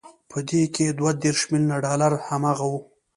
په دې کې دوه دېرش ميليونه ډالر هماغه وو